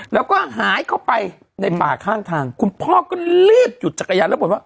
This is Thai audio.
แล้วก็หายเข้าไปในป่าข้างทางคุณพ่อก็รีบหยุดจักรยานแล้วบ่นว่า